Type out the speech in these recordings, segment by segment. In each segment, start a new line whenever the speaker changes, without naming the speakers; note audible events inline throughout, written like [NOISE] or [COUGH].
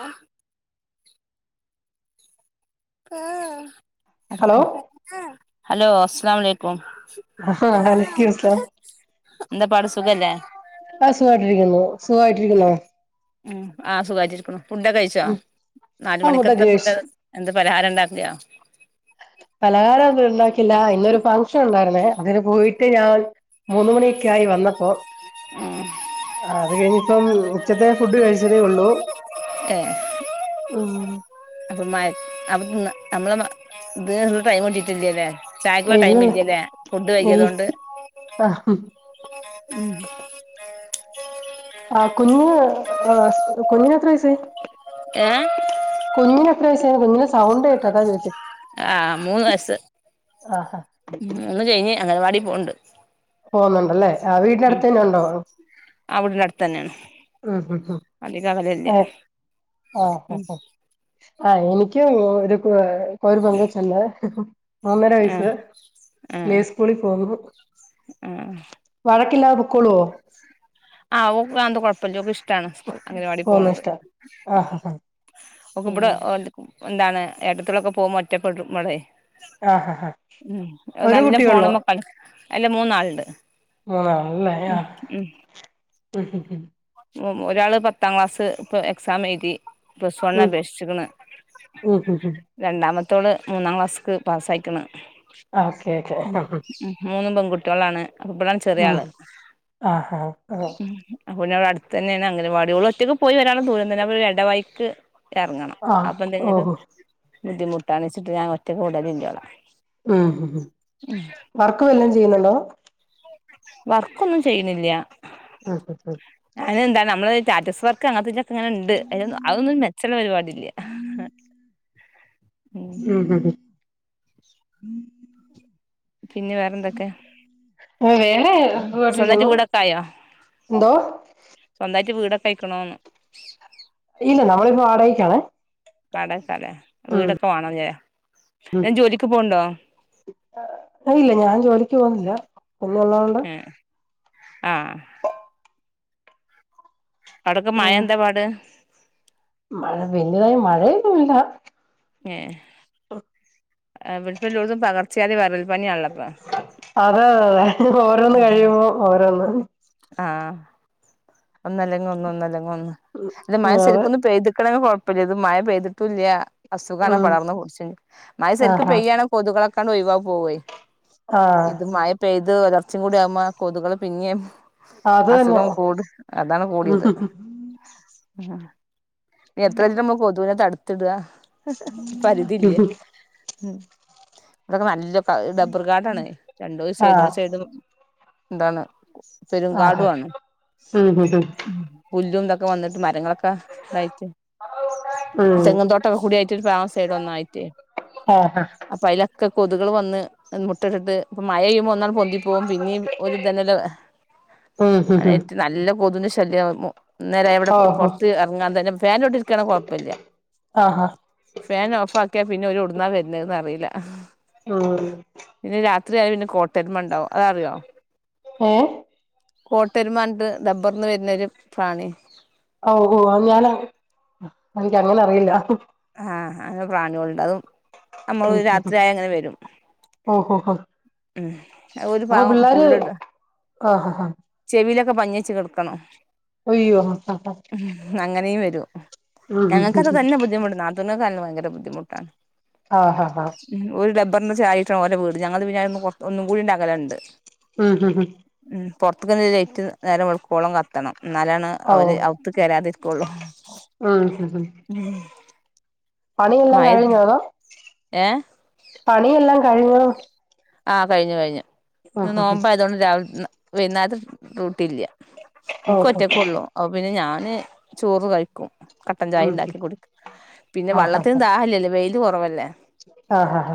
ആ ആ
hello
hello അ സ്ലാമലെക്കും
ആഹ് വലൈക്കും മുസ്സലാം
എന്ത പാട് സുഖല്ലേ?
ആഹ് സുഖായിട്ടിരിക്കുന്നു
മ്
സുഖായിട്ടിരിക്കുന്നോ
മ് ആ സുഖാട്ട് രിക്കുന്നു ഫുഡക്കേ കഴിച്ചോ
ഉം ആഹ് ഫുഡൊക്കെ
നാലുമണിക്കത്ത ഫുഡ്
കഴിച്ചു
എത് പലഹാരണ്ടാക്കിയാ.
പലഹാര ഒന്നു ണ്ടാക്കില്ല ഇന്നൊരു ഫംഗ്ഷൻ ഉണ്ടായിരുന്നേ അതിന് പോയിട്ട് ഞാൻ മൂന്നുമണിയൊക്കെയായി വന്നപ്പം
ഉം
അത് കഴിഞ്പ്പം ച്ചത്തെ ഫുഡ് കഴിച്ചതേ ഒള്ളൂ.
അപ്പം മ നമ് നമ്മളെ ഇത് ടൈം കിട്ടിട്ടില്ലേല്ല. ചായക്കു
ഇല്ലല്ല
ടൈമില്ലല്ലേ ഫുഡ്
ഇല്ല
കയിക്കാത്തോണ്ട്.
ആഹ് ആ കുഞ്ഞ് കുഞ്ഞിന് എത്ര വയ്സ്സായി
ഏ
കുഞ്ഞിന് എത്ര വയി എ പ്നെ സൗണ്ടെട്ടതാ ചോയിച്ചേ.
ആ മൂന്ന് വയ്സ്സ്
ആഹ് ആഹ്
മൂന്ന് കഴിഞ്ഞ് അങ്ങനവാടി ഒണ്ട്
പോന്നുണ്ടല്ലേ ആ വീടിന്റെ അടുത്ത്ന്നെണ്ടോ
ആ വീടിന്റെ അടുത്ത് തന്നെയാണ്
മ് മ്
അധികം അകലല്ല
എ അ അ
ഉം
അ ആ എനിക്ക് ഒരു കൊ ഒരു പെങ്കൊചൊണ്ട്. മൂന്നര
ആ
വയസ്
ആ
പ്ലേ സ്കൂളി പോകുന്നു.
ആ
വഴക്കില്ലാതെ പൊക്കോളോ
ആ ഒക്കാൻത്ത കൊഴപ്പല്ല ഓക്ക് ഇഷ് ത്താണ് സ് അങ്ങലവാടി
പോകുന്ന
പോണത്.
ഇഷ്ടാ ആഹ് ഹാ
ഒക്ക്മ്പട
ഉം
ഓല് വെന്താണ് ഏട്ടത്തിലൊക്കെ പോകുമ്പോ ഒറ്റപ്പെടും വ്ടെ
ആ ഹ ഹ ഒരു കുട്ടിയേള്ളോ.
ഫോണുമ്മെ കളി അല്ല മൂന്നാൾണ്ട്.
മൂന്നാളല്ലേ ആ. മ് മ് മ്
ഉം ഒരാള് പത്താം ക്ലാസ് ഇപ്പ എക്സാം എയ്തി. പ്ലസ് വൺ
ഉം ഉം
അപേഷ്ക്ണ്
ഉം ഉം ഉം
രണ്ടാമ ത്തോള് മൂന്നാം ക്ലാസ്ക്ക് പാസ്സായിക്ണ്.
ഓക്കെ ഓക്കെ
ഉ ഉ മൂന്നും പെൺ കുട്ടിയോളാണ്. അപ്പം ഇബളാണ് ചെറിയ
ഉം
ആള്.
ആഹ് ആഹ്
അപ്പം പിന്നട് അട് തന്നേണ് അംഗൻവാടി. ഓള് ഒറ്റക്ക് പോയി വരാൻള്ള ദൂരം തന്നെ. അപ്പൊരെടവയിക്ക് എറങ്ങണം.
ആഹ്
അപ്പം എന്തെങ്കിലും
ഓഹോ
ബുദ്ധിമുട്ടണെച്ചിട്ട് ഞാൻ ഒറ്റക്ക് വിടലില്ലോളെ.
ഉം വർക്ക് വല്ലം ചെയ്ണ് ണ്ടോ?
വർക്കൊന്നും ചെയ്ണില്ല.
ഉ ഉ ഉം
അയ്നന്താ നമ്മള് ചാറ്റസ് വർക്ക് അങ്ങനത്തെന് അങ്ങനെക്കെ ണ്ട്. അയ്നൊന്നും അതൊന്നും രു മെച്ചള്ള പരിപാടില്ല. ഉം
ഉ ഉ ഉ
പിന്നെ വേറെന്തൊക്കെ?
വേറെ
സ്വന്തമായിട്ട്
[UNINTELLIGIBLE]
വീടൊക്കെ ആയോ
ന്തോ
വീടൊക്കൈക്ക്ണോന്ന്
ഇല്ല നമ്മളിപ്പോ വാടകക്കാണ്
അടെ അലെ വീടൊക്കെ വാണംല്ലേ
ഉം [UNINTELLIGIBLE] ല്ല ഞാൻ ജോലിക്ക് പോന്നില്ല ഒന്ന്ള്ളൊണ്ട്
ആ അടക്ക് മഴ
ഉം
എന്താ പാട്
മഴ വല്ല്യതായി മഴയൊന്നുമില്ല
ഏ വിടെപ്പല്ലോട്തും പകർച്ചവ്യാതി വരൾ പനിയുള്ളപ്പോ
അതെ അതെ ഓരോന്ന് കഴിയുമ്പോ ഓരോന്ന്
ആ ഒന്നല്ലെങ്ങെ ഒന്ന് ഒന്നല്ലങ്ങ് ഒന്ന് ത്
അതെ
മഴസെരിക്കൊന്ന് പെയ്ത്ക്ക്ണങ്കി കൊഴ് പ്പല്ല്യ ത് മഴ പെയ്തിട്ടുല്ല്യ അസുഖാണ്
ഉം
പടർന്ന് പുട്ച്ച്ൻ മഴസെരിക്ക്
ആഹാ
പെയ്യാണെങ്കിൽ കൊതുകളൊക്കെ ക്കാണ് ഒയിവ പോവേ
ആഹ്
ഇത് മഴ പെയ്ത് ഒരർ ച്ചും കൂടി ആവുമ്പ ആ കൊതുകള് പിന്നേം
അത് തന്നെ
അസുഖം കൂടും അതാണ് കൂടിയത് ആഹ് എത്ര എന്ന് വെച്ചിട്ട കൊതുവിനെ തടുത് ത്തിടുക പരിധിയില്ലേ ഉം ഇതൊക്കെ നല്ലോം ഡബർ കാടണേ രണ്ടു ഒരു സൈഡ്
ആഹ്
ഒരു സൈഡും ന്താന്ന് പെരും
ആഹ്
കാടുവാണ്
ഉം ഹ് ഹ്
ഉം പുല്ലും തൊക്കെ ഒക്കെ വന്നാട്ട് മരങ്ങളൊക്കെ തായിട്ട്
ഉം
തെങ്ങ് തോട്ടൊക്കെ കൂടിയായിട്ടു ഒരു ഫാമസ് ആയിട്ട് ഒന്നായിട്ട്
ആഹ്
അപ്പൊ അതില ക്കെ കൊതുകൾ വന്ന് ഇൻ മുട്ട ഇട്ടിട്ട് ഇപ്പം മഴ ചെയ്യുമ്പോ ഒന്ന് പൊന്തി പോകും പിന്നിം ഓൽ ഇത് തന്നെ അല്ലെ
ഉം ഹ് ഹ്
ഏറ്റവും നല്ലോം കൊതുകിന്റെ ശല്യാ മു അന്നേരം ഇവിടെ
ഓഹോ
പുറത്ത് എറങ്ങാൻ തന്നെ ഫാൻന്റെ ചോട്ടിൽ ഇരിക്കണങ്കിൽ കുഴപ്പമില്ല
ആഹാ
ഫാൻ ഓഫ് ആക്കിയാൽ പിന്നെ ഓൽ എവിടുന്നാ വരുന്നന്ന് അറിയില്ല ആഹ്
ആഹ്
എത്രയായി പിന്നെ കോട്ടരുമ ഉണ്ടാവും അതറിയോ
ഏഹ്
കോട്ടരുമ ഉണ്ട് ഡബ്ബർന്ന് വരുന്നൊരു പ്രാണി
ഓ ഓ ഞാന എനിക്ക് അങ്ങനെ അറിയില്ല
ആഹ് അങ്ങനെ പ്രാണിയോളുണ്ട് അതും നമ്മൾ ഒരു രാത്രിയായാൽ ഇങ്ങനെ വരും
ഓഹോ ഹോ
ഉം ഒരു
അപ്പൊ
ഭാഗം
പിള്ളേര്
ഫുള്ള് ഇട
ആഹ് ആഹ് ഹാ
ചെവിയിലൊക്കെ പഞ്ഞി വെച്ച് കിടക്കണം
അയ്യോ ഹ ഹ
ഉ അങ്ങനെയും വരൂ ഞങ്ങക്ക്
ഉം
അത് തന്നെ ബുദ്ധിമുട്ട് നാതൂനൊക്കെ ഭയങ്കര ബുദ്ധി മുട്ടാ
ആഹഹ
ഒന്ന് ചായിട്ട ഓരെ വീട് ഞങ്ങൾത് പിന്നെ ഒ ഒന്നും കൂടി അകലണ്ട്
ഉം ഹും ഹും
പുറത്ത്ക്ക്ല്ല ലെയ്റ്റ് നേരം വെൾക്കോളം കത്തണം ന്നാലാണ്
ഓ
അവര് അവ്ത്ത് കേരാതിരിക്കൊള്ളൂ
ഉം ഹ് ഹ്
മ്മ്
പണിയെല്ലാം കഴിഞ്ഞ അതോ
ഏ
പണിയെല്ലാം കഴിഞ്ഞോ
ആ കഴിഞ്ഞു കഴിഞ്ഞു
ഉം
ഇന്ന്
ഹ് ഹ്
നോമ്പ് ആയത്കൊണ്ട് രാവിൽ ന്ന് വെയ്ന്നാരത്തെ ഡൂട്ടില്ല
ഓ
ൻക്ക്
ഹോ
ഒറ്റക്കാെള്ളു അപ്പ പിന്നെ ഞാന് ചോറ് കഴിക്കും കട്ടൻ
ഉം ഹ്
ചായണ്ടാക്കി ക കൊട്ക്കും പിന്നെ വള്ളത്തിന് ദാഹല്യല്ലോ വെ ത് കൊറവല്ലേ
ആഹഹ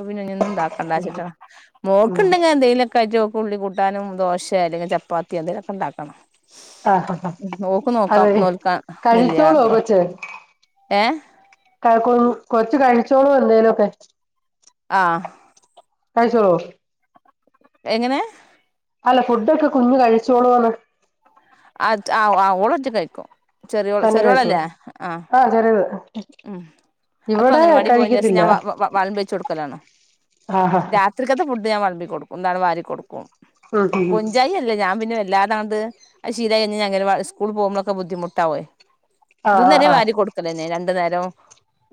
അതെ ന്ന്ണ്ടാക്കണ്ടാച്ച്ട്ട
ഉം
മോക്ക്ന്ന് എന്തേ ലൊക്കായ്ട്ട് ഓക്ക് ഉള്ളി കു ട്ടാനും ദോശെ അല്ലെങ്കി ചപ്പാത്ത്യാേ എന്തേലാെക്കെണ്ടാക്കണം
ആഹഹാ അതെ
നോൽക്കാ
കഴിച്ചോളാെ
നില്ലാർഞ്ഞ്
കൊച്ച്
ഏ
കഴകൊന്നും കൊ കഴിച്ചോളും എന്തേലും ഒക്കെ
ആ
കഴിച്ചോളോ
എങ്ങനെ
അല്ല ഫുഡൊക്കെ കുഞ്ഞ് കഴിച്ചോളാേന്ന്
ആ ത് അ അ ഓളൊറ്റക്കയ്ക്കും
തന്നെ കഴിക്കോ ആ ചെറിയത്
ഉം അപ്പൊ
ഇവിടെ
അങ്ങനവാടി പോയിന്റേഷം
കഴിക്കത്തില്ല
ഞാൻ വ വ വൾമ്പിച്ചെട്ക്കലാണ്
ആ ഹ ഹ
രാത്രിക്കെത്തെ ഫുഡ് ഞാൻ വൾ കൊട്ക്കും ന്താണ് വാരി കൊട്ക്കും
ഉം ഹ് ഹ്
കൊഞ്ചായി അല്ല ഞാൻ പിന്നെ വെ ല്ലാതാന്ത് ആ ശീലായ്കഴിഞ്ഞ ഞ്ഞ് അങ്ങലവാ സ്കൂൾ പോകുമ്പളൊക്കെ ബുദ്ധിമുട്ടാവേ
ആ ആ
ദ്ന്നരേ
ആ
വാരി കൊട്ക്കലെന്നെ ര നേരം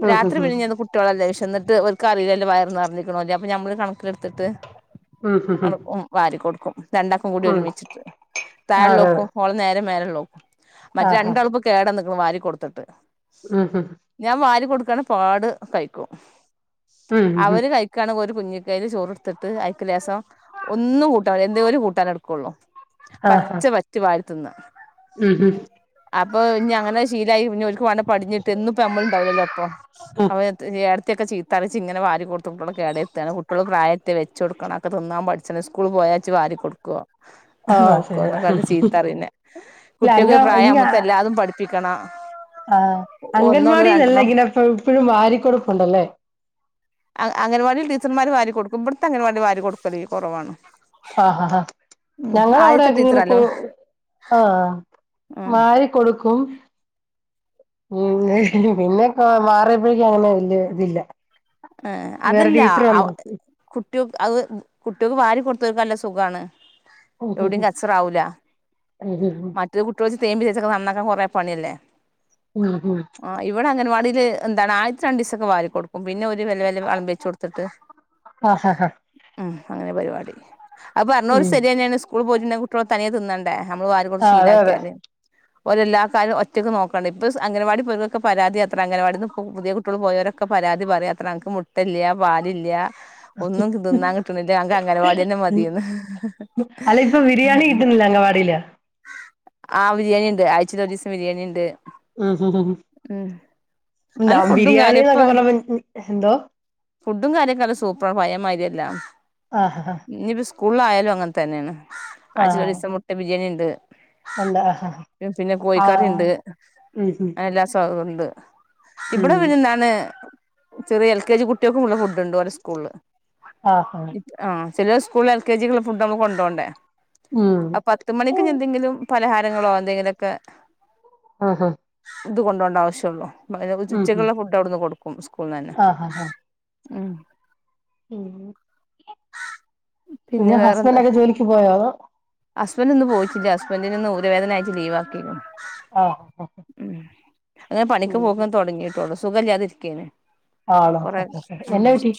ഉം
രാത്രി
ഹ് ഹ്
പിഴിഞ്ഞന്ന് കുട്ടികളെല്ലാം ഇഷ് എന്നിട്ട് ഓൽക്ക് അറീലല്ലോവയറ് നിറഞ്ഞ്ക്ക്ണോന്ന് അപ്പ നമ്മള് കണക്കിലെടുത്തിട്ട്
ഉം ഉം ഉം
അവക്കും വാരി കൊടുക്കും രണ്ടാക്കും കൂടി
ഉം
ഒരുമിച്ചിട്ട്
അതെ അതെ
താഴെലോക്കും ഓള് നേരെ മേലെ [UNINTELLIGIBLE]
ആഹ്
മറ്റ് രണ്ടാളുപ്പ കേടന്ന് വാരി കൊടുത്ത്ട്ട്
ആഹ്
വാരി കൊടുക്കാണ് പാട് കഴിക്കും
ഉം ഉം ഉം
അവര് കഴിക്കാണെ ഒരു കുഞ്ഞിക്കയില് ചോറ് കൊടുത്തിട്ട് അയിക്ക് രസം ഒന്നും കൂട്ടാന എന്തേോലും കൂട്ടാൻ എടുക്കുള്ളൂ
ആഹ്
പച്ച
ആഹ്
വറ്റു വാ [UNINTELLIGIBLE]
ഉം ഉം
അപ്പ ഇനിങ്ങനെ ശീലായി ഇനി ഒരിക്ക് വേണം പടിഞ്ഞി എന്നിപ്പം നമ്മളിണ്ടാവലല്ലോ അപ്പൊ
ഉം
അവ [UNINTELLIGIBLE] കുത്തിയക്കെ ചീത്തറിച്ച് ഇങ്ങനൊരി കൊടുത്ത് കുട്ടികളക്ക കേട എത്തയാണ് കുട്ടികൾ പ്രായത്തെ വെച്ച് കൊടുക്കണം ഒക്കെ തന്നൻ പഠിച്ചേ സ്കൂൾ പോയാച്ചച്ച്ാരി കൊടുക്കുവോ
ആഹ്
നോക്കോ
ശരിയാ
നക്കണ്ട്
ഇല്ല
ചീത്തറിനെ
അങ്ക
കുട്ടികക്ക്
ഇങ്ങ
പ്രായംമുത്ത എല്ലാതും പഠിപ്പിക്കണ്ണം
അംഗൻവാടി ഇല്ലേ ഇങ്ങനെ ഇപ്പഴും ഭരിക്കൊടുപ്പുണ്ടല്ലേ
ഒരു വാരി കൊടുക്കും ഇവിടത്തെ അങ്ങനെ വാരി കൊടുക്കല് കുറവാണ്
ആഹാ ഹാ
ഉം
ഞങ്ങൾ
ആദ്യത്തെ
അവിടൊക്കെ ഇങ്ങനെ
ടീച്ചറല്ലേ
ആഹ്
ഉം
വാരി കൊടുക്കും പിന്നെ [UNINTELLIGIBLE] പിന്നെ ആ മാറിയപ്പോഴേക്കും അങ്ങനെ വലിയ ഇതില്ല.
ആ
വേറെ
അതല്ല
ടീച്ചർ
അവ
വന്നു
കൂട്ടിയക്ക് അത് കുട്ടികക്ക് വാരി കൊടു [UNINTELLIGIBLE] നല്ല സുഖമാണ്
ഉം
എവിടയും കച്ചറ ആവൂല്ല
ഉം ഉം
മറ്റത് കുട്ടികള് വെച്ച് തേമ്പിച്ചക്കെ നന്ന കൊറെ പണില്ലേ
ഉം ഉം
ആ ഇവിടെ അംഗനവാടി [UNINTELLIGIBLE] എന്താണ് ആഴ്ച രണ്ട് ദിവസൊക്കെ വാരി കൊടുക്കും പിന്നെ ഒരു ഒരു വല്ല്യ വല്ല്യ വളമ്പി വെച്ച് കൊടുത്തിട്ട്
ആഹ് ആഹ് ആഹ്
ഉം അങ്ങനെ പരിപാടി അപ്പൊ പറഞ്ഞണൂറ്
ഉം
ശരി തന്നെയാണ് കൂൾ പോയിട്ട്ണ്ടെങ്കി കുട്ടിയോള് തനിയെ തിന്നണ്ടേ നമ്മള് വാരി കൊടുത്ത്
ആഹ് അതെ അതെ
ശീലാക്കിയാലേ ഓരെല്ലാ കാരും ഒറ്റക്ക് നോക്കണ്ടേ ഇപ്പസ് അങ്കനവാടി പോരൊക്കെ പരാതിയത്രേ അംഗൻവാടിന്ന് ഇപ്പം പുതിയ കുട്ടിയോള് പോയവരൊക്ക പരാതി പറയാ ച്ചറെ ങ്ങൾക്ക് മുട്ടല്ല്യാ പാലില്ല്യാ ഒന്നും തിന്നാൻ കിട്ടുന്നില്ല ഞക്ക് അംഗനവാടി തന്നെ മതിയെന്ന്
അല്ല ഇപ്പൊ ബിരിയാണി കിട്ടുന്നില്ല അംഗവാടിയില്
ആഹ് ബിരിയാണിണ്ട് ആയ്ച്ചേല് ഒരിസം ബിരിയാണിയിണ്ട്
ഉം ഉം ഉം ഉം
നല്ല ഫുഡും കാര്യം
ദംബിരിയാണിന്നൊക്ക
ഇപ്പൊ
പറഞ്ഞപ്പം എന്തോ
ഫുഡും കാര്യക്കല്ലാം സൂപ്പർ പയേ മായിരിയല്ല
ആ
സ്കൂളിലായാലും അങ്ങനെ തന്നെയാണ് ആഴ്ചേൽ
ആഹ്
ഒരിസം മുട്ട ബിരിയാണി
ഉണ്ട് ആഹ്
ണ്ട് പിന്നെ കോഴിക്കറി
ആഹ്
ഇണ്ട്
ഉം ഹും
അ എല്ലാ സോം ഉണ്ട് ഇവിട
ഉം
വിരുന്നാണ് ചെറിയ എൽ കെ ജി കുട്ടിയോൾക്കൂടുള്ള ഫുഡ് ഉണ്ട് ഓരോ സ്കൂള്
ആഹ്
ആഹ് ചില സ്കൂളില് എൽ കെ ജി ക്കുള്ള ഫുഡ് നമ്മ കൊണ്ടോണ്ടേ
ഉം
അ പത്തു മണിക്ക് എന്തെങ്കിലും പലഹാരങ്ങളോ എന്തെങ്കിലൊക്കെ
ആ ഹാ
ഇത് കൊണ്ടോണ്ട ആവശോള്ളൂ [UNINTELLIGIBLE]
ഹും
ഉച്ചക്കുള്ള ഫുഡ് അവിടുന്ന് കൊടുക്കും സ്കൂളിന്ന് തന്നെ
ആഹ് ആ ആ
ഉം
ഉം പിന്നെ ഹസ്ബൻഡൊക്കെ ജോലിക്ക് പോയോ
ഹസ്ബൻഡിന്ന് പോയിട്ടില്ല ഹസ്ബൻ്റിനിന്ന് ഊര വേദനയായിറ്റ് ലീവാക്കിക്ണ്
ആഹ്
ഉം അങ്ങനെ പണിക്ക്
ഉം
പോകാൻ തുടങ്ങിട്ടോളൂ സുഖല്ലേ തിരിക്കേനി
ആണോ
കൊറേ ഉം
എന്നാ പറ്റി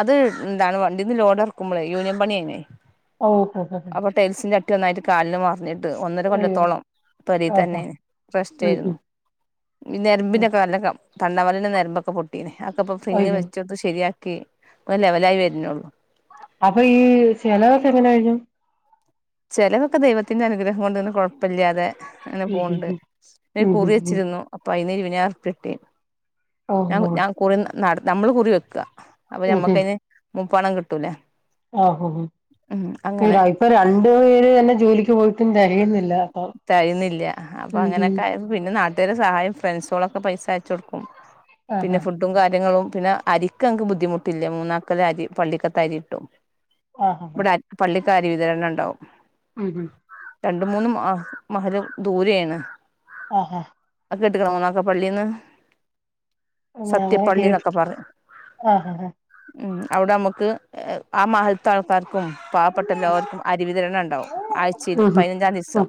അത് ഇതാണ് വണ്ടീന്ന് ലോഡറക്കുമ്പളേ യൂനിയൻ പണിയനെ
ഓ
അപ്പ ടെൽസിന് റ്റ് ഒന്നായിട്ട് കാലും പണിട്ട് ഒന്നര
അയ്യോ
കൊല്ലത്തോളം തൊരേ
ആഹ്
തന്നെ റെസ്റ്റ്
ഉം
ആയിരുന്നു
ഹും ഉം
നെര്മ്പിനൊക്കെ വല്ലക്കം തണ്ണവലിെ നിമ്പൊക്കെ പൊട്ടീനെ. അതക്കപ്പം ഫിങ്
അയ്യോ
വച്ചത് ശരിയാ ക്കേ ഒര് ലെവലായ് വെര്ന്നേയുള്ള.
അപ്പൊ ഈ ചലവൊക്കെ എങ്ങനെഴിഞ്ഞു.
ചെലവൊക്കെ ദൈവത്തിന്റെ അനുഗ്രഹം കൊണ്ട് ഇന്നെ കുഴപ്പമില്ലാതെ.. അങ്ങനെ പോണ്ട്
ഉം ഹും
കുറി
ഹും
വച്ചിരുന്നു അപ്പൊ നേർത്തിട്ടേൻ.
ഉം
ഞാൻ
ഹും ഹും ഓഹ്
ഞാൻ കുറുന്ന. നട നമ്മൾ കുറി വെക്കുക. അപ്പൊ ഞമ്മക്കതിന് മുപ്പണം കിട്ടൂലേ
ആഹഹ
ഉം അങ്ങനെ
ഇപ്പൊ രണ്ട് പേ ര് തന്നെ ജോലിക്ക് പോയിട്ടും തെകയുന്നില്ല.
തയ്ന്നില്ല അപ്പൊ അങ്ങനെയൊക്കെ ആയി പിന്നെ നാ ഇതരെ സഹായം ഫ്രണ്ട്സുകളൊക്കെ പൈസയച്ച കൊടുക്കും. പിന്നെ
ആഹാ
ഫുഡും കാര്യങ്ങളും പിന്നെ അരിക്ക് അങ്ക്ക് ബുദ്ധിമുട്ടില്ല. മൂന്നാക്കള്ള അരി പള്ളിക്കത്ത അരി ഇട്ടും.
ആഹ്
ഇവിടെആരും പള്ളി കാര്യ വിതരണം ഉണ്ടാവും
ഉം ഉം
രണ്ടുമുന്ന്മാ മഹരം ദൂരെയാണ്.
ആഹഹ
കേട്ടക്കണ പോന്നക്കെ പള്ളിന്ന്
ഞങ്ങ [UNINTELLIGIBLE]
ഉം അവിടെ നമുക്ക് ആ മഹല്ത്താൾക്കാർക്കും പാവപ്പെട്ട എല്ലാവർക്കും അരിവിതരണ ഉണ്ടാവും ആഴ്ചയിൽ
ആഹ് ഉം
പതിനഞ്ചാംദിവസം.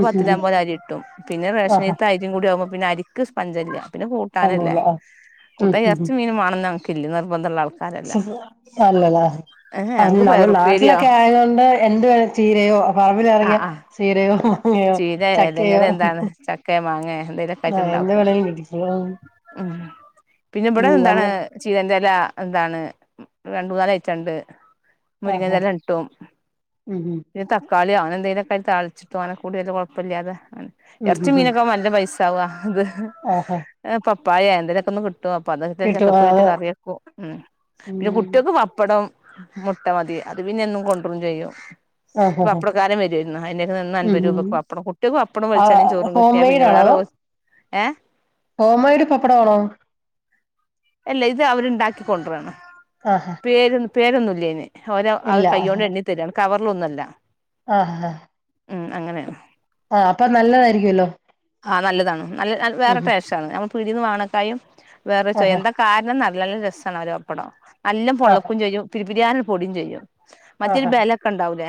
ഉം ഹും ഹും ആഹാ
പിന്നെറേഷനരിത്തഅരിമു ഇതാവുമ്പോ പിന്നെ അരിക്കിസ് പഞ്ചല് പിന്നെ കൂട്ടാനല്ലേ
അങ്ങനെയല്ലേ ആഹ് ഉം
കൂട്ടാ ഇറച്ച മീൻ വണണംന്നാണ് കില്ലി നിർബന്ധംഉള്ളആള്
ശെരിയ അല്ലടാ
ഏഹ്
അല്ല
ഞങ്ങക്ക്
നമ്മുടെ
പയറുപ്പേരിയോ
നാട്ടിലൊക്കെ ആയതൊണ്ട് എന്ത് വേ ചീരയോ പറമ്പില
ആഹ്
ഇറങ്ങിയ
ആഹ്
ചേ
ചീര ഏതെങ്കിലും എന്താണ് ചക്ക മാങ്ങ എന്തെലൊക്കെ ആയിട്ട്
ആഹ് എന്ത്
ഉണ്ടാക്കും
വേണേലും കിട്ടിക്കോളും ഉം
ഉം പിന്നെ ഇവിടെ
ഉം
എന്താണ്
നമ്മൾ
ചെയ്ത എന്ത ഇല്ല എന്താണ് രണ്ട് മൂന്നാലൈറ്റൊണ്ട് മുരിങ്ങല്ല
ആഹ്
രട്ടും
ഉം
ഇ ത കളി അങ്ങനെ എന്തെലുക്കെ താളിച്ച് തോനെ കൂടിയത് കുഴപ്പല്ലാതെ
ഉം
എറച്ചു
ഉം ഉം
മീനൊക്കെ നല്ല പൈസ തവാ അതെ
ആഹ്
എ പപ്പ പപ്പയേ എന്തെങ്ങിലുക്കെ പലവിത
കിട്ടും
ചക്കക്കുരു
ആഹ്
കറിയെക്കും ഉം പിന്നെ
ഉം
കുട്ടിയേക്ക് പപ്പടം മുട്ട മതി അത് പിന്നെ എന്നും കൊണ്ടുരും ചെയ്യും
ആഹ് ആഹ്
പപ്പടകരൻ വരുവായിരുന്നു അയിൻ ന്ന്
ഉം
അൻപത്
ഉം
രൂപക്ക്‌ പപ്പടവും കുട്ടിക്
ആ
പപ്പടംവെളിച്ചെണ്ണം ചോറും
ഹോം
കിട്ടാ പിന്നെ വേറെ ഏ
ഹേംമേയ്ട് പപ്പടാണോ
അല്ലെ ഇത് അവര് ഇണ്ടാക്കി കൊണ്ട് വന്ന
ആഹാ
പേര് പേരൊന്നുല്ലയ്ന് ഓരൊ അത് കയ്യോണ്ട് എണ്ണി തരാണ് ക ഒന്നല്ല
ആഹ് അഹ്
ഉം അങ്ങനെ
ആഹ് അപ്പൊ നല്ലതായിരിക്കുല്ലോ
ആഹ് നല്ലതാണ് ന വേറെ ട്ടേഷാണ് പീടീന്ന് വാണക്കായും വേറെ
ആഹാ
ചൊയഎന്താ കാരണം നല്ല രസാണ് അവരെ പപ്പടം നല്ലൊം
ആഹാ
പൊള്ളക്കും ചെയ്യും പി [UNINTELLIGIBLE] പൊടിം ചെയ്യും മറ്റരു
ആഹാ
ബെലക്കെ ഇണ്ടാവുലെ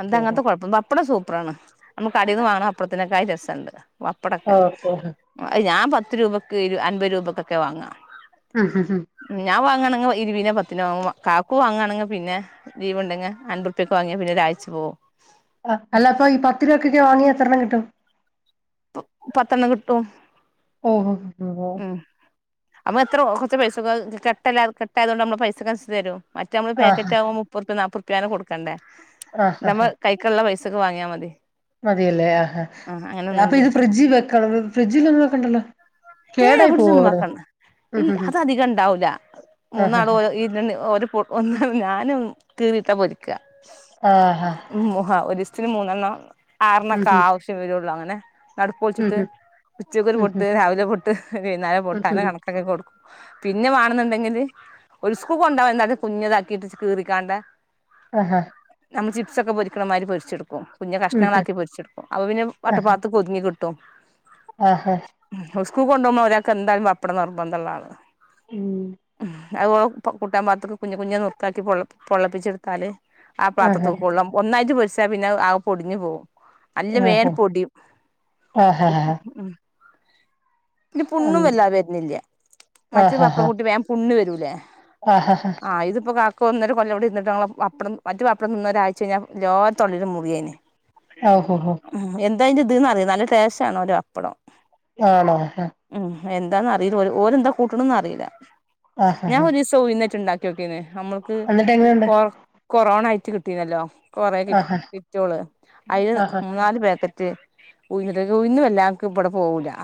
എന്താ അങ്ങൻത്തെ കൊഴപ്പം ബ പ്പട സൂപ്പറാണ് നമ്മ്കടേന്ന് വാണം ഇതിന കായി രസണ്ട് വപ്പടൊക്കെ
ഓക്കെ
ഞാൻ പ ത്ത് രൂപയ്ക്ക് ഇരു അൻപത് രൂപയ്ക്കൊക്കെ വാങ്ങാം.
ആഹാ ഹാ
ങ്ങാണെങ്കി ഇരിവിതിനോ പത്തിനോ വാങ്ങും. കാക്കു വാങ്ങാണെങ്കി പിന്നെ ലീവുണ്ടെങ്കി അൻപ്രുപ്യക്ക് വാങ്ങിയാ പിന്നെ ഒരാഴ്ച്ച പോകും.
അ അല്ലപ്പ ഈ പത്ത് രൂപക്കൊക്കെ വാങ്ങിയാ എത്രണ്ണം കിട്ടും?
പ പത്തെണ്ണം കിട്ടും.
ഓഹോ ഹോ
ഉം അമ്മ [UNINTELLIGIBLE] എത്ര ഒ കൊറ്ച്ച് പൈസക്കു അഹ് കെട്ടല്ലെ [UNINTELLIGIBLE] കെട്ടായതുകൊണ്ട് നമ്മ പൈസക്കനുസരിച്ച് തരും മറ്റ നമ്മള്
ആഹാ
പാക്കറ്റ്ആകുമ്പോ മുപ്പറ്പ്പ്യ നാപ്പൊറ്പ്യ [UNINTELLIGIBLE] നൊടുക്കണ്ടേ. നമ്മ കൈക്ക്ള്ള പൈസ. വാങ്ങ്യാമതി.
മതിയല്ലെ ആഹ് അപ്പൊ ഇത് ഫ്രിഡ്ജ് വെക്കണം ഫ്രിഡ്ജില് ഒന്നും വെക്കണ്ടല്ലോ.
ഏയ് എ
കേടായി
ഫ്രിഡ്ജിൽ
പോവോ
ഒന്നും
അവിടുന്ന്
വെക്കണ്ട
ഉം
ഇ
ഉം ഉം
അത് അധികം ഇണ്ടാവൂല്ല മൂന്നാൾ
ആഹാഹാ
ഓരോ ഈ രണ്ട് ഒരു പൊ--ഒന്ന് ഞാനും കീറിട്ടാ പൊരിക്ക.
ആഹാ
ഉ മുഹാ ഒരിസ് സില് [UNINTELLIGIBLE] മൂന്നെണ്ണം.
ഉം
ആറെണ്ണൊക്കെ
ഉം
ആവശ്യം വരൊള്ളൂ അങ്ങനെ.
ഉം
നടുപൊളിച്ചിട്ട് ഉച്ചക്ക്
ഉം ഉം ഉം
ഒര്പൊട്ട് രാവിലെ പൊ വൈന്നാരം
ഉം
പൊട്ട് അങ്ങനെ
ഉം ഉം
കണക്കാക്കി കൊടു പിന്നെ വാണെന്ന് ഇണ്ടെങ്കില് ഒര് സ്കൂ കൊണ്ടാവാ എന്താ കുഞ്ഞതാക്കിട്ട് കീറിക്കാണ്ട്.
അഹ് ഹ
നമ്മൾ ചിപ്സൊക്കെ പൊരിക്ക്ണ മായ്രി പൊരിച്ചെടുക്കും. കുഞ്ഞ്
ഉം ഉം
കഷ്ണങ്ങളാക്കി പൊ രിചെടുക്കും അപ്പോ പിന്നെ
ആഹാ
വട്ടപ്പാത്ത് പൊതിഞ്ഞ് കി ത്ത [UNINTELLIGIBLE]
ആഹാ
സ്കൂക്ക് കൊണ്ടോമ്പോ ഒരാക്ക് എന്തായാലും പപ്പടം നിർബന്ധള്ള ആളാ
ഉം
ഉം അങ്ങു കൂട്ടാൻപത്രത്തിൽ കുഞ്ഞ് കുഞ്ഞ് നുർകാക്കി പൊള്ള പൊള്ളപ്പിച്ചെടുത്താലെ ആ
ആഹ്
പാത്രത്തൂക്ക് [UNINTELLIGIBLE] ഒന്നായിട്ട് പൊരി [UNINTELLIGIBLE] പിന്നെ ആകെ പൊടിഞ്ഞു പോവും. അല്ല വേഗം
ആഹ്
പൊടിയും
ആഹ് ആഹ്
[UNINTELLIGIBLE] ഉം. ഇതില്
ഉം
പുണ്ണും വല്ലാതെ വരുന്നില്ല മറ്റേ
ആഹ്
പപ്പടം കൂട്ടി വേം പുണ്ണ് വരും. ല്ലെ
ആഹ്
ആ ഇത്പ്പ കാ ഒ ഒന്നൊരു കൊല്ല കൂടി ഇന്നിട്ട്ഞ പപ്പടംറ്റ പപ്പംന്ന ഒരാഴ്ച്ച് കഴിഞ്ഞാ ലോത്തൊള്ളും മുറിയേനെ
ഓ ഹൊ ഹോ.
ഇത് അതിന്റെ ഇതീന്ന്റിയാം നല്ല ടേസ്റ്റ് ആണ് ഒര അപ്പടം.
ആണോ?
എന്താന്ന് അറിയില്ല. ഓരെന്താ കൂട്ടണന്ന് അറിയില്ല. ഞാ
ആഹ്
ഒരു ദിവസ ഉഴുന്നിട്ടുണ്ടാക്കി. ക്യോക്കിനെ നമ്മൾക്ക്
എന്നിട്ട് എങ്ങനെയുണ്ട്
കൊറ കൊറോണ ആയി കിട്ടീല്ലല്ലോ? കൊറേ കി
ആഹ്
കിറ്റുള്ളൂ അയി
ആഹ്
മൂന്നാല് പാക്കറ്റ് [UNINTELLIGIBLE] വല്ലാംക്ക് ഇബിടെ പോവൂല.